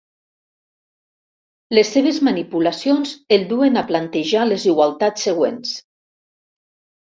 Les seves manipulacions el duen a plantejar les igualtats següents.